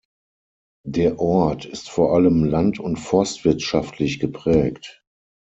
Der Ort ist vor allem land- und forstwirtschaftlich geprägt.